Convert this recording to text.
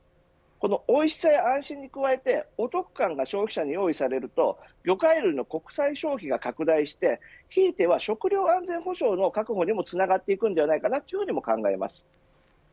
このおいしさや安心に加えてお得感が消費者に用意されると魚介類の国内消費が拡大してひいては、食料安全保障の確保にもつながっていくんではないかなというふうにも考えます。